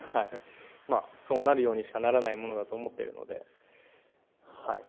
そうなるようにしかならないものだと思ってるので、はい。